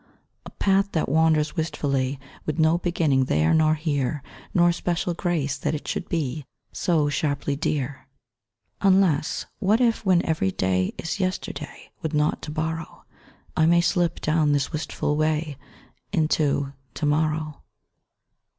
A path that wanders wistfully With no beginning there nor here, Nor special grace that it should be So sharply dear, Unless, what if when every day Is yesterday, with naught to borrow, I may slip down this wistful way Into to morrow?